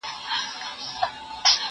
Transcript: زه د کتابتون د کار مرسته نه کوم!؟